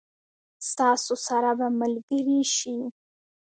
ستاسو سره به ملګري شي.